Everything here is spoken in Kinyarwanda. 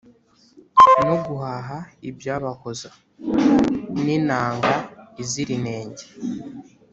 no guhaha ibyabahoza. ni inanga izira inenge